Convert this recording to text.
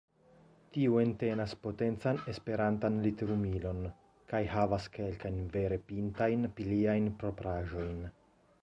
Tiu entenas potencan esperantan literumilon kaj havas kelkajn vere pintajn pliajn propraĵojn.